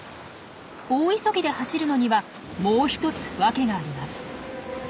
大急ぎで走るのにはもう１つ訳があります。